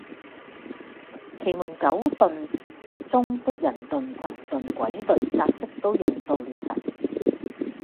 奇門九遁中的人遁、神遁、鬼遁格式都用到了神